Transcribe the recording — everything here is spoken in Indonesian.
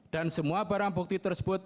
dan semua barang bukti tersebut